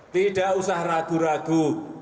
tidak usah ragu ragu